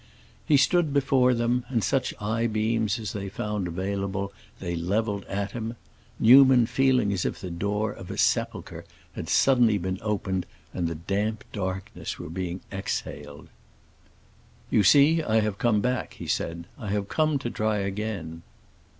He stood before them, and such eye beams as they found available they leveled at him; Newman feeling as if the door of a sepulchre had suddenly been opened, and the damp darkness were being exhaled. "You see I have come back," he said. "I have come to try again."